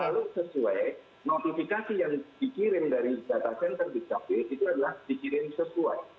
kalau sesuai notifikasi yang dikirim dari data center dukcapil itu adalah dikirim sesuai